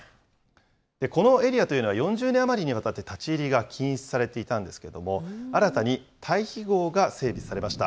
このエリアというのは、４０年余りにわたって立ち入りが禁止されていたんですが、新たに退避ごうが整備されました。